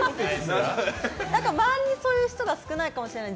周りにそういう人が少ないかもしれない。